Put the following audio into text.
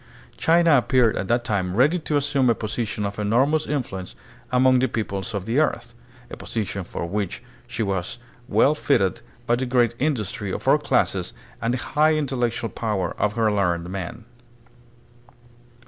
China appeared at that time ready to assume a position of enormous influence among the peoples of the earth, a position for which she was well fitted by the great industry of all classes and the high intellectual power of her learned men.